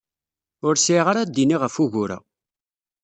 Ur sɛiɣ ara d-iniɣ ɣef wugur-a.